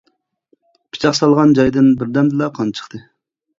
پىچاق سالغان جايدىن بىردەمدىلا قان چىقتى.